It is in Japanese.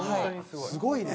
すごいね！